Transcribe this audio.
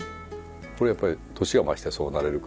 これはやっぱり年が増してそうなれる。